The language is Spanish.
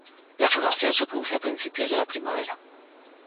La floración se produce a principios de la primavera.